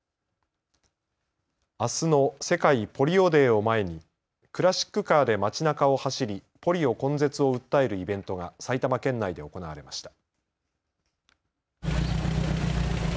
あすの世界ポリオデーを前にクラシックカーで街なかを走りポリオ根絶を訴えるイベントが埼玉県内で行われました。